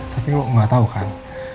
tapi lo gak tau kan